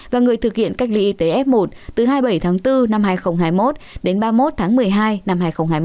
và người thực hiện cách ly y tế f một từ hai mươi bảy tháng bốn năm hai nghìn hai mươi một đến ba mươi một tháng một mươi hai năm hai nghìn hai mươi một